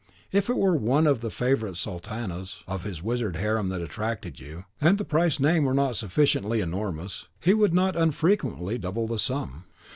If it were one of the favourite sultanas of his wizard harem that attracted you, and the price named were not sufficiently enormous, he would not unfrequently double the sum.